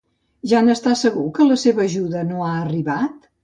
Ja n'està segur que la seva ajuda no ha arribat?